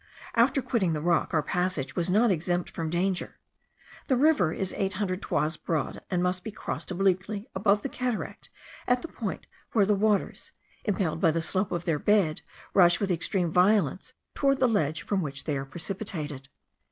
After quitting the rock, our passage was not exempt from danger. The river is eight hundred toises broad, and must be crossed obliquely, above the cataract, at the point where the waters, impelled by the slope of their bed, rush with extreme violence toward the ledge from which they are precipitated.